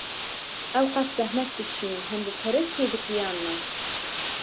Ewqas zehmet dikşînin hûn bi pere çê dikî yan na?